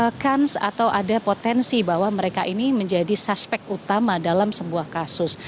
ada kans atau ada potensi bahwa mereka ini menjadi suspek utama dalam sebuah kasus